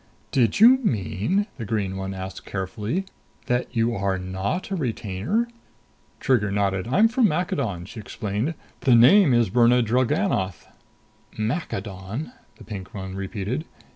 "Did you mean," the green one asked carefully, "that you are not a retainer?" Trigger nodded. "I'm from Maccadon," she explained. "The name is Birna Drellgannoth." "Maccadon," the pink one repeated.